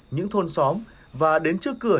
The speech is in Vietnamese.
những thôn xóm và đến trước cửa